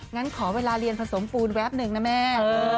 งั้นขอเวลาเรียนผสมปูนแวบหนึ่งนะแม่